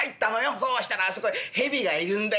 そうしたらあそこへ蛇がいるんだよ